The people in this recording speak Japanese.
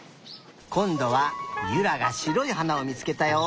こんどはゆらがしろいはなをみつけたよ。